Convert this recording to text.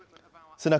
スナク